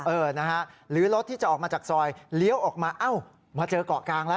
เออนะฮะหรือรถที่จะออกมาจากซอยเลี้ยวออกมาเอ้ามาเจอเกาะกลางแล้ว